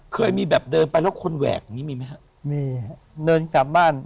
เคยมีแบบเดินไปแล้วคนแหวกอย่างนี้มีไหมฮะมีฮะเดินกลับบ้าน